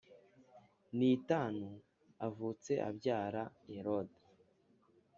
n itanu avutse abyara Yeredi